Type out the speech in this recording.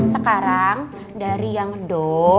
sekarang dari yang do